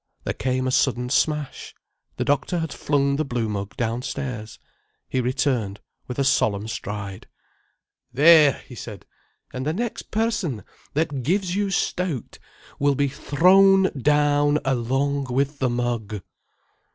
There came a sudden smash. The doctor had flung the blue mug downstairs. He returned with a solemn stride. "There!" he said. "And the next person that gives you stout will be thrown down along with the mug."